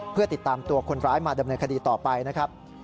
เพื่อติดตามตัวคนร้ายมาดำเนินคดีต่อไปนะครับ